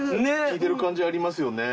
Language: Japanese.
効いてる感じありますよね。